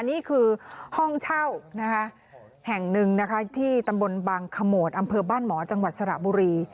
นี่คือห้องเช่านะคะแห่งหนึ่งนะคะที่ตำบลบางขโมดอำเภอบ้านหมอจังหวัดสระบุรี